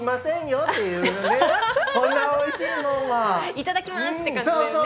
「いただきます！」って感じだよね。